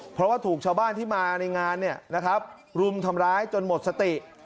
เพราะว่าถูกชาวบ้านที่มาในงานรุมทำร้ายจนหมดสติ